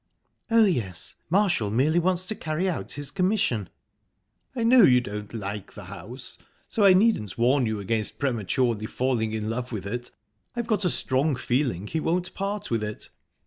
"Oh, yes. Marshall merely wants to carry out his commission." "I know you don't like the house, so I needn't warn you against prematurely falling in love with it. I've got a strong feeling he won't part with it."